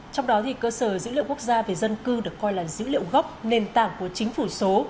trong đó cơ sở dữ liệu quốc gia về dân cư được coi là dữ liệu gốc nền tảng của chính phủ số